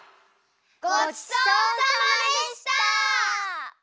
ごちそうさまでした！